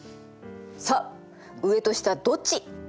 さあ上と下どっち？